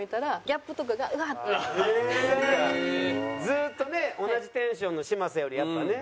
ずっとね同じテンションの嶋佐よりやっぱね。